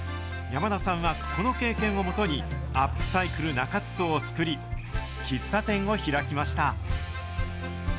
山田さんは、この経験をもとに、アップサイクル中津荘を作り、喫茶店を開きました。